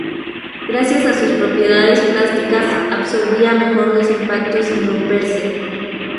Gracias a sus propiedades plásticas absorbía mejor los impactos sin romperse.